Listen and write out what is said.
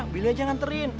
wili aja yang nganterin